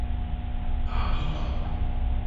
打邊爐